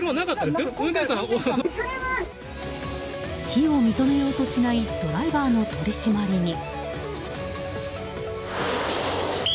非を認めようとしないドライバーの取り締まりに。